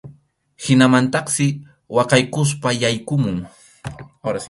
Hinamantaqsi waqaykuspa yaykumun.